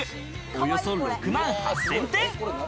およそ６万８０００点。